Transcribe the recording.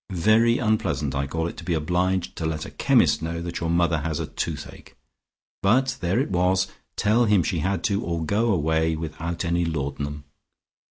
Very unpleasant, I call it, to be obliged to let a chemist know that your mother has a toothache. But there it was, tell him she had to, or go away without any laudanum.